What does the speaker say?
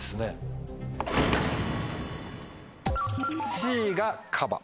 Ｃがカバ。